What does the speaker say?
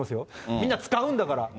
みんな使うんだから。